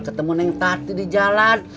ketemu neng tati di jalan